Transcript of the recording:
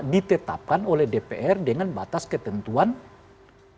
ditetapkan oleh dpr dengan batas ketentuan minimal usia